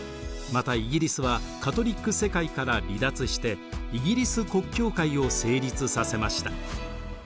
またイギリスはカトリック世界から離脱してイギリス国教会を成立させました。